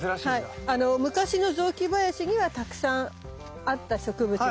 昔の雑木林にはたくさんあった植物です。